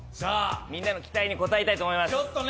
みんなの期待に応えたいと思います。